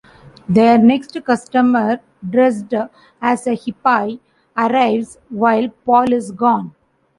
Their next customer, dressed as a hippie, arrives while Paul is gone.